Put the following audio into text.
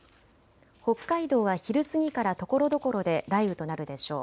北海道は昼過ぎからところどころで雷雨となるでしょう。